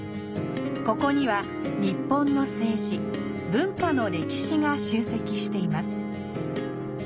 ここには日本の政治、文化の歴史が集積しています。